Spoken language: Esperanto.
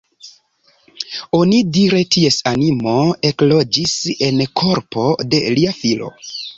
Onidire ties animo ekloĝis en korpo de lia filo.